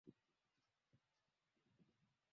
yalifanyika maandamano rasmi ya watia sahini wengine